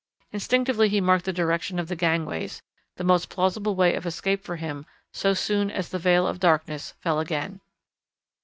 Instinctively he marked the direction of the gangways, the most plausible way of escape for him so soon as the veil of darkness fell again.